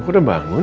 aku udah bangun